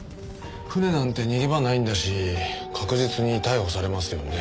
船なんて逃げ場ないんだし確実に逮捕されますよね。